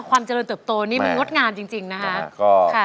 ความเจริญเติบโตนี่มันงดงามจริงนะคะ